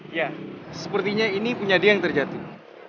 ya sepertinya ini punya dia yang terjatuh